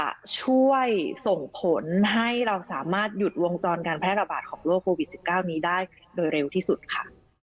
จะช่วยส่งผลให้เราสามารถหยุดวงจรการแพร่ระบาดของโรคโควิด๑๙นี้ได้โดยเร็วที่สุดค่ะ